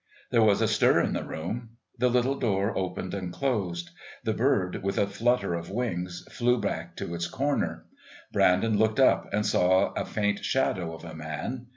There was a stir in the room; the little door opened and closed; the bird, with a flutter of wings, flew back to its corner. Brandon looked up and saw a faint shadow of a man.